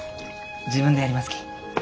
自分でやりますき。